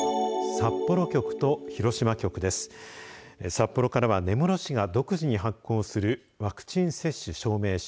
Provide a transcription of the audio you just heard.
札幌からは根室市が独自に発行するワクチン接種証明書。